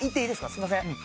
すいません。